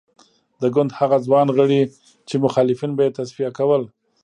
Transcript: د ګوند هغه ځوان غړي چې مخالفین به یې تصفیه کول.